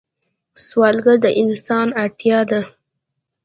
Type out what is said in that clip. سوالګر د انسان اړتیا ده